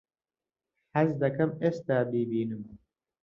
حەز دەکەم ئێستا بیبینم.